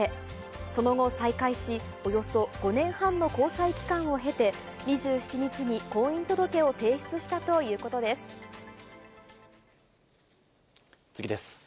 その後再会し、およそ５年半の交際期間を経て、２７日に婚姻届を次です。